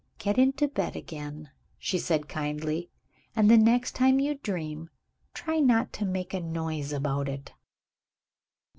"Get into bed again," she said kindly; "and the next time you dream, try not to make a noise about it."